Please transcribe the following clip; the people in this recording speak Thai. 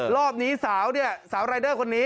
รอบนี้สาวเนี่ยสาวรายเดอร์คนนี้